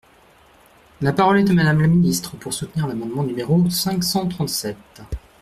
La parole est à Madame la ministre, pour soutenir l’amendement numéro cinq cent trente-sept.